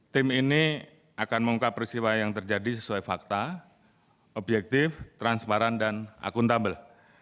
tim ini akan mengungkap peristiwa yang terjadi sesuai fakta objektif transparan dan akuntabel